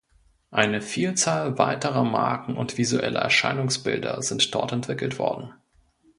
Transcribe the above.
Eine Vielzahl weiterer Marken und visueller Erscheinungsbilder sind dort entwickelt worden.